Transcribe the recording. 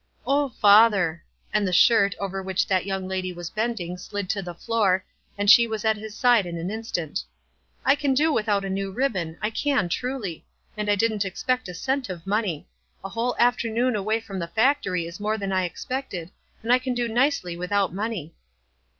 "O father," and the shirt over which that young lady was bending slid to the floor, and she was at his side in an instaut. " I can do WISE AND OTHERWISE. 109 without a new ribbon, I can, truly ; and I didn't expect a cent of money. A whole afternoon away from the factory is more than I expected, and I can do nicely without money."